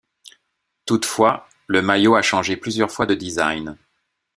Toutefois, le maillot a changé plusieurs fois de design.